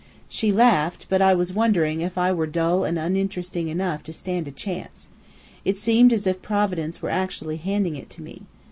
She laughed; but I was wondering if I were dull and uninteresting enough to stand a chance. It seemed as if Providence were actually handing it to me.